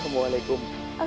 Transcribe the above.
terima kasih bunda